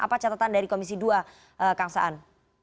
apa catatan dari komisi dua kang saan